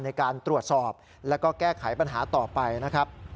ในการตรวจสอบแล้วก็แก้ไขปัญหาต่อไปนะครับ